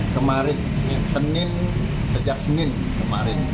kemarin senin sejak senin kemarin